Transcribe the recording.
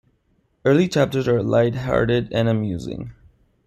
Early chapters are light-hearted and amusing.